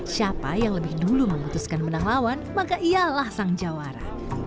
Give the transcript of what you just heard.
siapa yang lebih dulu memutuskan menang lawan maka ialah sang jawara